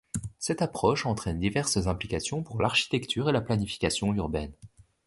Cette approche entraîne diverses implications pour l'architecture et la planification urbaine.